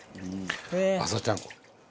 朝ちゃんこ。